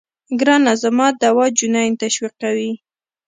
ګرانه زما دوا جنين تشويقوي.